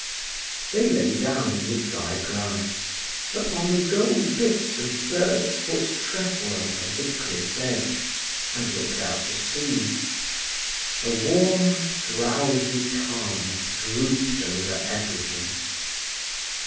They lay down in the dry grass, upon the gold bits of bird's foot trefoil of the cliff's edge, and looked out to sea. A warm, drowsy calm drooped over everything.